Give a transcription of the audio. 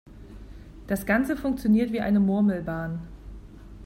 Das Ganze funktioniert wie eine Murmelbahn.